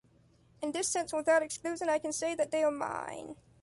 In this sense and without exclusion I can say that they are mine.